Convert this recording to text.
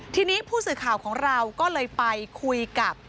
ทีนี้ผู้สื่อข่าวของเราก็เลยไปคุยกับ